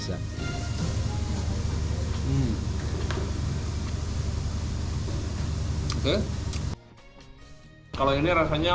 itu tidak afdol kalau kita tidak mencoba ikan yang sudah kita matangkan